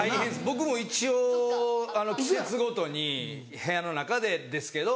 僕も一応季節ごとに部屋の中でですけど。